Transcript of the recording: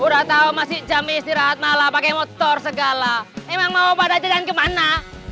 udah tahu masih jam istirahat malah pakai motor segala emang mau pada jalan kemana